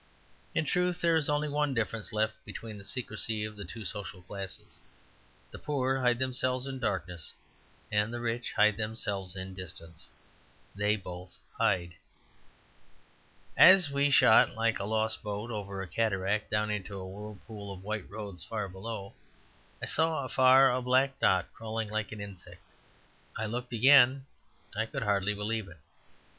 In truth, there is only one difference left between the secrecy of the two social classes: the poor hide themselves in darkness and the rich hide themselves in distance. They both hide. As we shot like a lost boat over a cataract down into a whirlpool of white roads far below, I saw afar a black dot crawling like an insect. I looked again: I could hardly believe it.